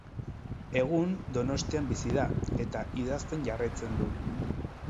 Egun Donostian bizi da, eta idazten jarraitzen du.